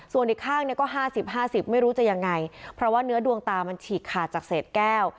ส่วนอีกข้างเนี่ยก็๕๐๕๐ไม่รู้จะยังไงเพราะว่าเนื้อดวงตามันฉีกขาดจากเศษแก้ว